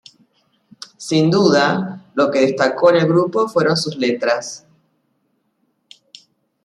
Sin duda lo que destacó en el grupo fueron sus letras.